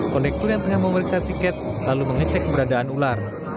kondektur yang tengah memeriksa tiket lalu mengecek keberadaan ular